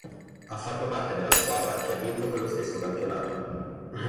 Ha fatto parte della squadra che ha vinto quello stesso campionato.